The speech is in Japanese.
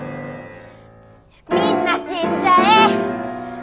みんな死んじゃえ！